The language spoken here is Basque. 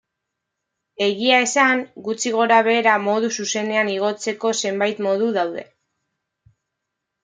Egia esan, gutxi gora-behera modu zuzenean igotzeko zenbait modu daude.